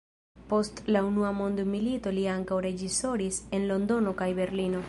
Post la unua mondmilito li ankaŭ reĝisoris en Londono kaj Berlino.